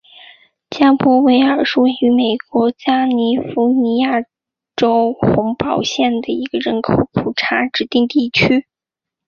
加伯维尔是位于美国加利福尼亚州洪堡县的一个人口普查指定地区。